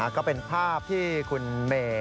ก็เป็นภาพที่คุณเมย์